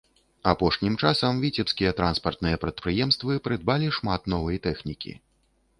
Апошнім часам віцебскія транспартныя прадпрыемствы прыдбалі шмат новай тэхнікі.